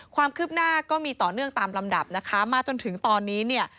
ความคืบหน้าก็มีต่อเนื่องตามลำดับนะคะมาจนถึงตอนนี้เนี่ย